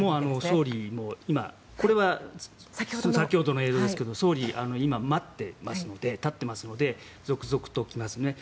総理も今、これは先ほどの映像ですけど総理は今、待っていますので立っていますので続々と来ますね。